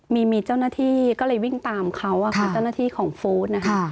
มีเจ้าหน้าที่ก็เลยวิ่งตามเขาคือเจ้าหน้าที่ของฟู้ดนะคะ